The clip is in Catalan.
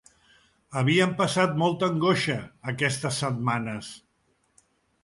Havien passat molta angoixa aquestes setmanes.